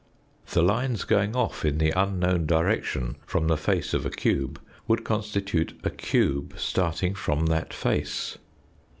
The lines going off in the unknown direction from the face of a cube would constitute a cube starting from that face.